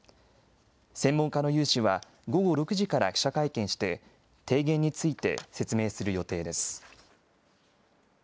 専門家の有志は、午後６時から記者会見して、提言について説明する予定です。